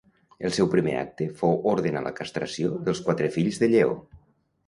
El seu primer acte fou ordenar la castració dels quatre fills de Lleó.